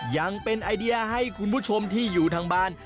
ยังเป็นไอเดียให้คุณผู้ชมที่อยู่ทางบ้าน